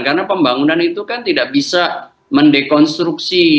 karena pembangunan itu kan tidak bisa mendekonstruksi